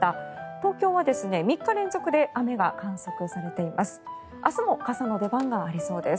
東京は３日連続で雨が観測されています。